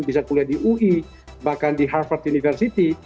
bisa kuliah di ui bahkan di harvard university